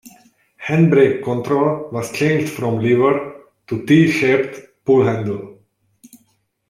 Handbrake control was changed from lever to tee-shaped pull handle.